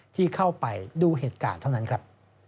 ที่เข้าไปดูเหตุการณ์เท่านั้นครับ